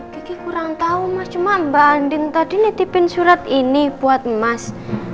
kekik kurang tau mas cuma mbak andin tadi nitipin surat ini buat mas